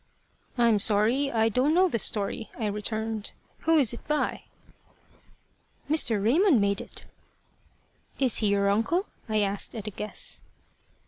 "I am sorry I don't know the story," I returned. "Who is it by?" "Mr. Raymond made it." "Is he your uncle?" I asked at a guess.